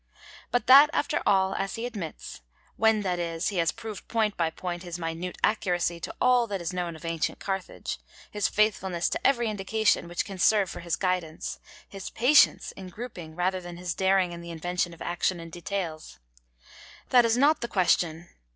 But that, after all, as he admits (when, that is, he has proved point by point his minute accuracy to all that is known of ancient Carthage, his faithfulness to every indication which can serve for his guidance, his patience in grouping rather than his daring in the invention of action and details), that is not the question.